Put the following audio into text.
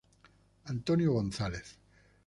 Antonio González